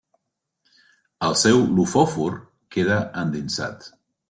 El seu lofòfor queda endinsat.